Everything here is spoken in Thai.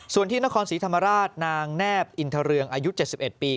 ส่วนที่นครศรีธรรมราชนางแนบอินทะเรืองอายุเจ็ดสิบเอ็ดปี